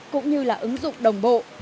cũng như là ứng dụng đồng bộ